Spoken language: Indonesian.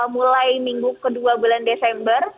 mulai minggu kedua bulan desember